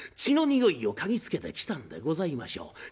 血のにおいを嗅ぎつけてきたんでございましょう。